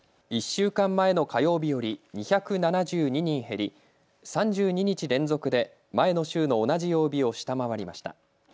１週間前の火曜日より２７２人減り、３２日連続で前の週の同じ曜日を下回りました。